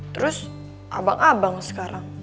terus abang abang sekarang